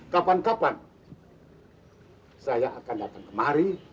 kapan kapan saya akan datang kemari